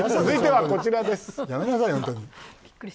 続いてはこちらです。